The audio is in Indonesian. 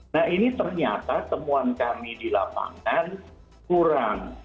nah ini ternyata temuan kami di lapangan kurang